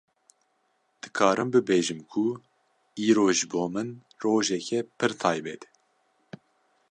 Dikarim bibêjim ku îro ji bo min rojeke pir taybet e